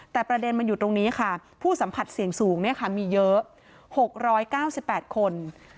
แต่ประเด็นมันอยู่ตรงนี้ค่ะผู้สัมผัสเสี่ยงสูงมีเยอะ๖๙๘คน